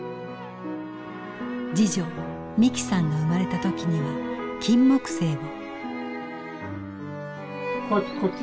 次女美紀さんが生まれた時には金木犀を。